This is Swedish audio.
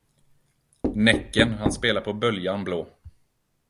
Näcken han spelar på böljan blå.